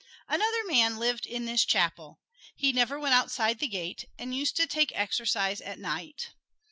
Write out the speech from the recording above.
Another man lived in this chapel. He never went outside the gate and used to take exercise at night.